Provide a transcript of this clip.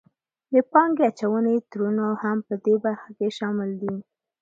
د پانګې اچونې تړونونه هم پدې برخه کې شامل دي